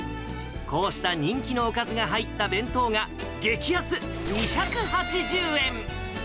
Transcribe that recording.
こうした人気のおかずが入った弁当が、激安、２８０円。